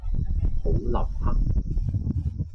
好立克